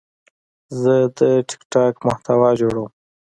زه د ټک ټاک محتوا جوړوم.